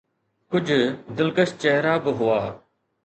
ڪجهه دلڪش چهرا به هئا.